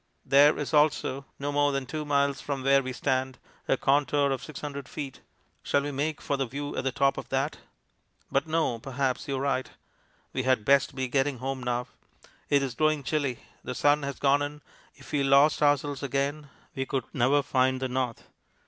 There is also, no more than two miles from where we stand, a contour of 600 ft. shall we make for the view at the top of that? But no, perhaps you are right. We had best be getting home now. It is growing chilly; the sun has gone in; if we lost ourselves again, we could never find the north.